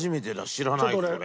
知らないこれ。